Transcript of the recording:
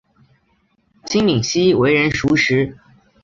金珉锡为人熟识。